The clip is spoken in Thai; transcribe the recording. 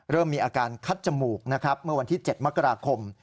เริ่มมีอาการคัดจมูกนะครับเมื่อวันที่๗มกราคม